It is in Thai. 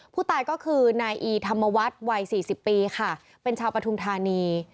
ผู้ตายก็คือนายอีธรรมวัฒน์วัย๔๐ปีค่ะเป็นชาวปฐุมธานี